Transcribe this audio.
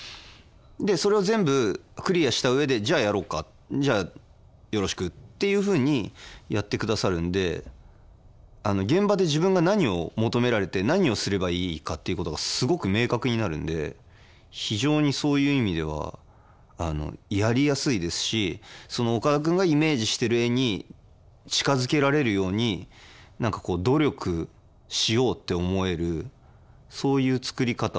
でそれを全部クリアした上でじゃあやろうかじゃあよろしくっていうふうにやってくださるんで現場で自分が何を求められて何をすればいいかっていうことがすごく明確になるんで非常にそういう意味ではやりやすいですしその岡田君がイメージしてる絵に近づけられるように何かこう努力しようって思えるそういう作り方をされる方ですね。